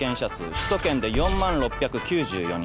首都圏で４万６９４人。